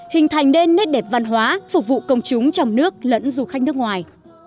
hình thành nên nét đẹp văn hóa phục vụ công chúng trong nước lẫn du khách nước ngoài